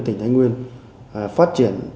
tỉnh thái nguyên phát triển